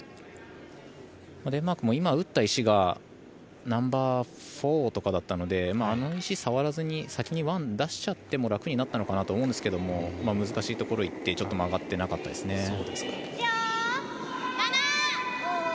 デンマークも今打った石がナンバーフォーとかだったのであの石を触らずに先にワンを出しちゃっても楽になったのかなと思うんですけど難しいところに行ってちょっと曲がってなかったですね。